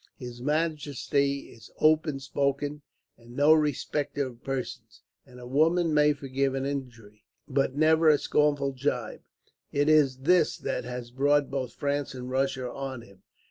"His majesty is open spoken, and no respecter of persons; and a woman may forgive an injury, but never a scornful gibe. It is this that has brought both France and Russia on him.